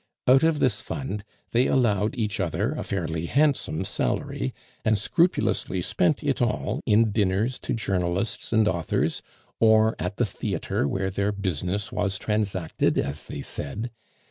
Out of this fund they allowed each other a fairly handsome salary, and scrupulously spent it all in dinners to journalists and authors, or at the theatre, where their business was transacted, as they said.